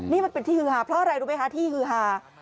นี่มันเป็นที่ฮือหาเพราะอะไรรู้ไหมคะที่ฮือฮา